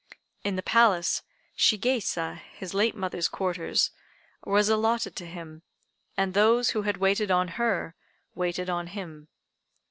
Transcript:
In the Palace, Shigeisa, his late mother's quarters, was allotted to him, and those who had waited on her waited on him.